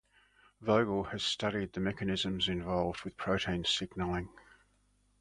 Vogel has studied the mechanisms involved with protein signalling.